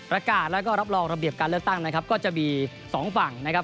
อากาศแล้วก็รับรองระเบียบการเลือกตั้งนะครับก็จะมีสองฝั่งนะครับ